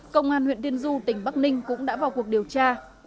công an huyện tiên du tỉnh bắc ninh cũng đã vào cuộc điều tra